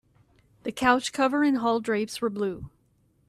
The couch cover and hall drapes were blue.